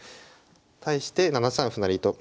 対して７三歩成と。